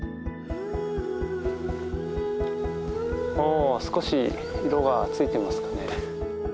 お少し色がついてますかね。